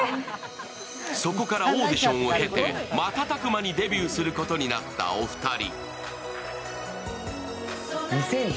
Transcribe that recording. そこからオーディションを経て、瞬く間にデビューすることになったお二人。